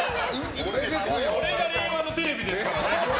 これが令和のテレビですから。